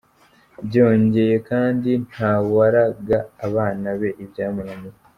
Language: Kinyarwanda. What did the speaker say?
Byongeye kandi, nta waraga abana be ibyamunaniye.